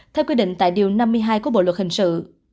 theo quy định tại điều năm mươi hai của bộ luật hình sự